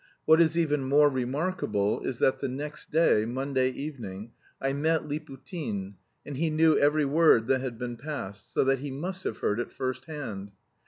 What is even more remarkable is that the next day, Monday evening, I met Liputin, and he knew every word that had been passed, so that he must have heard it first hand.